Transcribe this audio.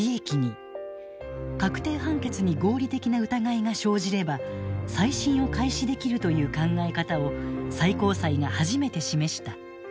確定判決に合理的な疑いが生じれば再審を開始できるという考え方を最高裁が初めて示した。